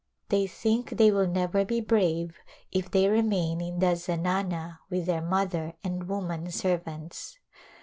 They think they will never be brave if they remain in the zanana with their mother and woman servants.